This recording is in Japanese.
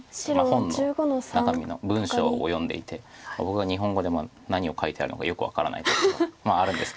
本の中身の文章を読んでいて僕が日本語でも何を書いてあるのかよく分からない時とかまああるんですけど。